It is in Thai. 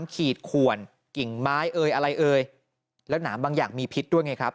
ขีดขวนกิ่งไม้เอ่ยอะไรเอ่ยแล้วหนามบางอย่างมีพิษด้วยไงครับ